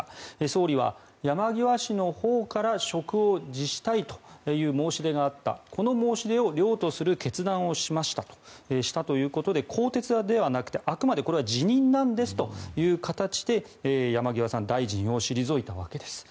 総理は、山際氏のほうから職を辞したいという申し出があったこの申し出を了とする決断をしましたということで更迭ではなくてあくまでこれは辞任なんですという形で山際さん大臣を退いたわけです。